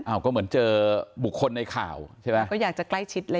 ก็เหมือนเจอบุคคลในข่าวใช่ไหมก็อยากจะใกล้ชิดเลย